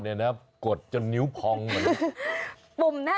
อ๋อนี่นะครับกดจนนิ้วพองมาแล้ว